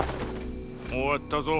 終わったぞ。